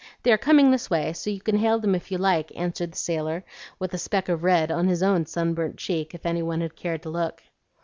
They are coming this way, so you can hail them if you like," answered the sailor, with "a speck of red" on his own sunburnt cheek if any one had cared to look.